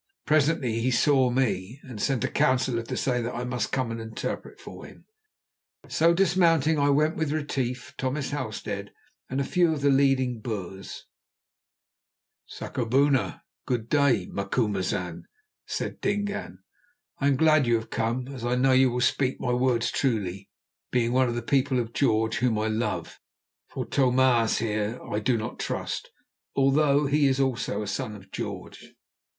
Presently he saw me, and sent a councillor to say that I must come and interpret for him. So, dismounting, I went with Retief, Thomas Halstead, and a few of the leading Boers. "Sakubona [Good day], Macumazahn," said Dingaan. "I am glad that you have come, as I know that you will speak my words truly, being one of the People of George whom I love, for Tho maas here I do not trust, although he is also a Son of George."